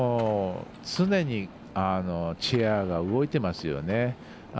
常にチェアが動いてますね。